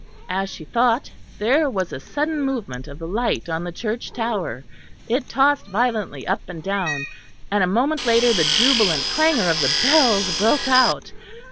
As she thought, there was a sudden movement of the light on the church tower; it tossed violently up and down, and a moment later the jubilant clangour of the bells broke out.